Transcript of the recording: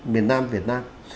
miền nam việt nam